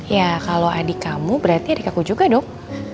ya kalau adik kamu berarti adik aku juga dok